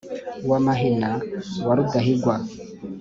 wa mahina wa rudahigwa